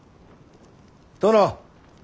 殿。